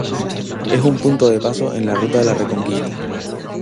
Es un punto de paso en la Ruta de la Reconquista.